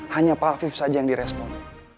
hanya pak afif saja yang direspon